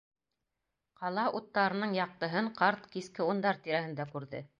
Ҡала уттарының яҡтыһын ҡарт киске ундар тирәһендә күрҙе.